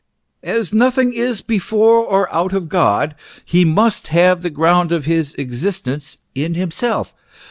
As nothing is before or out of God, he must have the ground of his existence in himself.